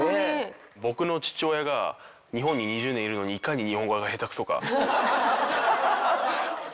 僕の父親が日本に２０年いるのにいかに日本語が下手くそか。